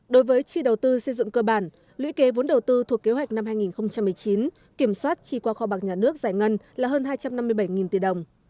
đối với chi đầu tư xây dựng cơ bản lũy kế vốn đầu tư thuộc kế hoạch năm hai nghìn một mươi chín kiểm soát chi qua kho bạc nhà nước giải ngân là hơn hai trăm năm mươi bảy tỷ đồng